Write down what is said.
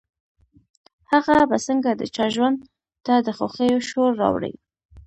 هغه به څنګه د چا ژوند ته د خوښيو شور راوړي.